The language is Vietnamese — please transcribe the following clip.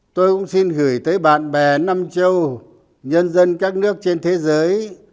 tôi cũng xin gửi tới bạn bè nam châu nhân dân các nước trên thế giới